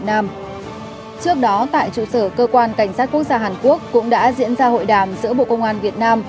trước đó tại trụ sở cơ quan cảnh sát quốc gia hàn quốc cũng đã diễn ra hội đàm giữa bộ công an việt nam